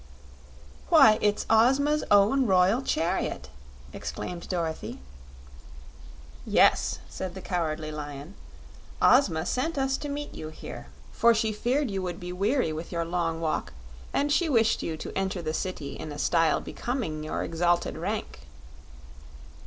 "Why, it's Ozma's own royal chariot!" exclaimed Dorothy. "Yes," said the Cowardly Lion; "Ozma sent us to meet you here, for she feared you would be weary with your long walk and she wished you to enter the City in a style becoming your exalted rank."